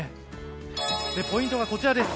ポイントがこちらです。